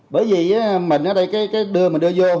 bởi vì mình ở đây đưa mình đưa vô